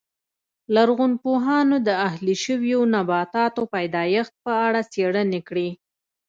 لرغونپوهانو د اهلي شویو نباتاتو پیدایښت په اړه څېړنې کړې